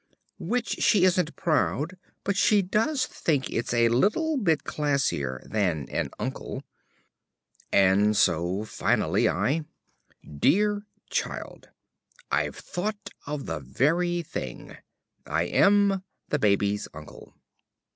Which she isn't proud, but does think it's a little bit classier than an uncle. And so finally, I: Dear Child, I've thought of the very thing. I am, ~The Baby's Uncle.